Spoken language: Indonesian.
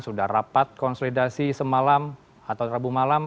sudah rapat konsolidasi semalam atau rabu malam